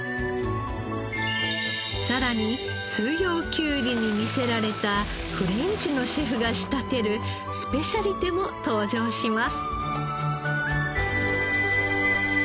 さらに四葉きゅうりに魅せられたフレンチのシェフが仕立てるスペシャリテも登場します。